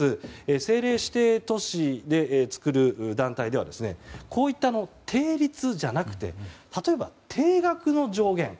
政令指定都市で作る団体ではこういった、定率じゃなくて例えば定額の上限